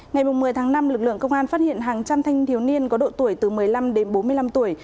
ngày một mươi tháng năm lực lượng công an phát hiện hàng trăm thanh thiếu niên có độ tuổi từ một mươi năm đến bốn mươi năm tuổi